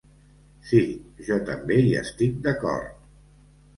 Sí, jo també hi estic d’acord.